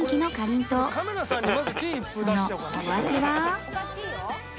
そのお味は